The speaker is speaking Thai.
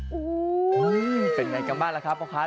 โอ้โฮเป็นอย่างไรกับบ้านล่ะครับพ่อค้า